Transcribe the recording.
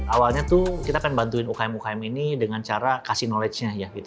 awalnya kita ingin membantu ukm ukm ini dengan cara memberikan pengetahuan